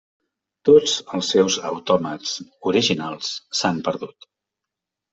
Tots els seus autòmats originals s'han perdut.